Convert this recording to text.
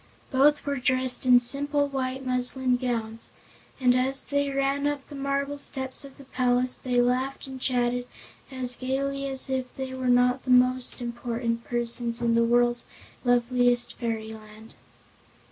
Both were dressed in simple white muslin gowns, and as they ran up the marble steps of the palace they laughed and chatted as gaily as if they were not the most important persons in the world's loveliest fairyland.